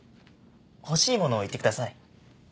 欲しいものを言ってください。